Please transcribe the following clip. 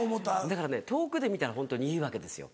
だからね遠くで見たらホントにいいわけですよ